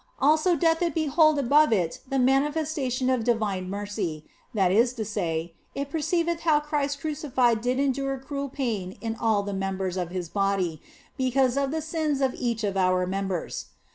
Also doth it behold above it the manifesta tion of divine mercy, that is to say, it perceiveth how Christ crucified did endure cruel pain in all the members of His body, because of the sins of each of our members.